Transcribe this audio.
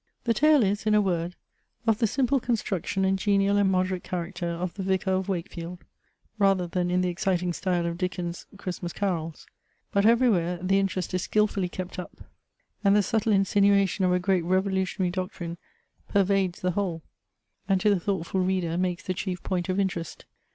The tale is, in a word, of the simple construction and genial and moderate character of the " Vicar of Wakefield" rather than in the exciting style of Dickens' Christmas Carols ; but, everywhere, the interest is skilfully kept up, and the subtle insinua tion of a great revolutionary doctrine pervades the whole, and to the thoughtful reader makes the chief point of interest.